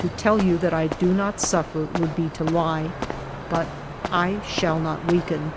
To tell you that I do not suffer would be to lie; but I shall not weaken.